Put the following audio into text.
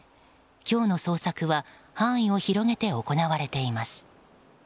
今日の捜索は範囲を広げて行われています。